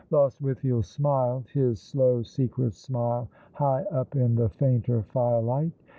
Lostwithiel smiled his slow secret smile high up in the fainter firelight.